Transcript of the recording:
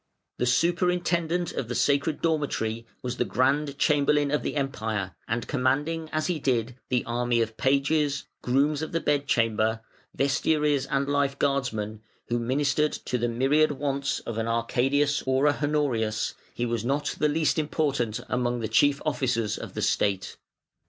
The Superintendent of the Sacred Dormitory was the Grand Chamberlain of the Empire, and commanding, as he did, the army of pages, grooms of the bed chamber, vestiaries, and life guardsmen, who ministered to the myriad wants of an Arcadius or a Honorius, he was not the least important among the chief officers of the State.